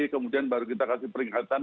kemudian baru kita kasih peringatan